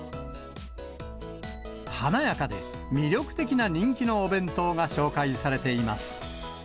華やかで魅力的な人気のお弁当が紹介されています。